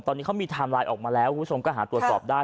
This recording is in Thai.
ตอนนี้เขามีไทม์ไลน์ออกมาแล้วคุณผู้ชมก็หาตรวจสอบได้